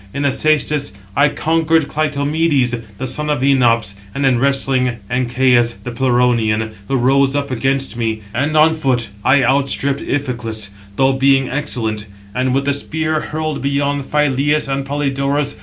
In the cæstus I conquered Clytomedes, the son of Enops; and in wrestling, Ancæus, the Pleuronian, who rose up against me; and on foot I outstripped Iphiclus, though being excellent; and with the spear hurled beyond Phyleus and Polydorus.